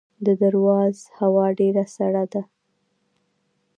د درواز هوا ډیره سړه ده